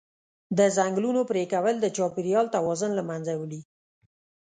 د ځنګلونو پرېکول د چاپېریال توازن له منځه وړي.